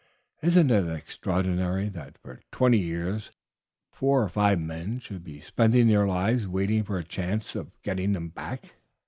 Isn't it extraordinary that for twenty years four or five men should be spending their lives waiting for a chance of getting them back!"